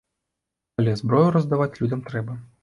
Але зброю раздаваць людзям трэба.